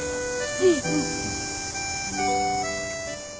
うん。